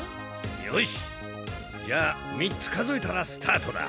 よしじゃあ３つ数えたらスタートだ。